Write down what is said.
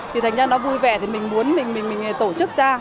thì thành ra nó vui vẻ mình muốn mình tổ chức ra